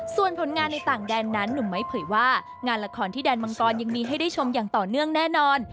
ส่วนผลงานในต่างแดนนั้นหนุ่มไม้เผยว่างานละครที่แดนมังกรยังมีให้ได้ชมอย่างต่อเนื่องแน่นอน